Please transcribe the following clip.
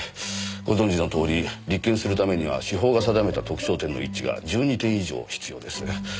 ご存じのとおり立件するためには司法が定めた特徴点の一致が１２点以上必要です。